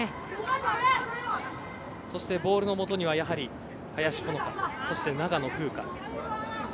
ボールのもとにはやはり林穂之香そして長野風花。